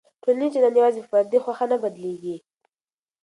ټولنیز چلند یوازې په فردي خوښه نه بدلېږي.